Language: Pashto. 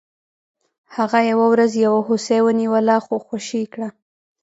هغه یوه ورځ یو هوسۍ ونیوله خو خوشې یې کړه.